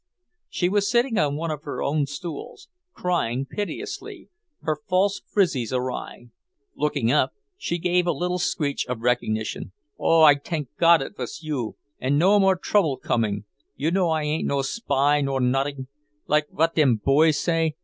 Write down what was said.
She was sitting on one of her own stools, crying piteously, her false frizzes awry. Looking up, she gave a little screech of recognition. "Oh, I tank Gott it was you, and no more trouble coming! You know I ain't no spy nor nodding, like what dem boys say.